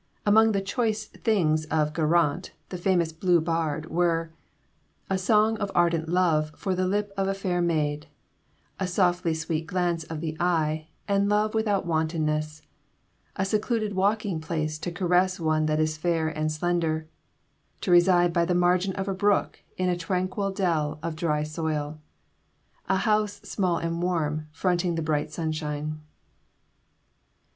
Among the 'Choice Things' of Geraint, the famous Blue Bard, were: A song of ardent love for the lip of a fair maid; A softly sweet glance of the eye, and love without wantonness; A secluded walking place to caress one that is fair and slender; To reside by the margin of a brook in a tranquil dell of dry soil; A house small and warm, fronting the bright sunshine.